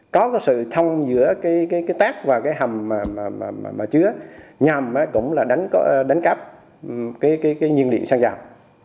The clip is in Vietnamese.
cũng như là do cố